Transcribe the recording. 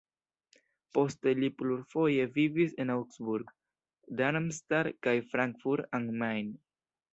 Poste li plurfoje vivis en Augsburg, Darmstadt kaj Frankfurt am Main.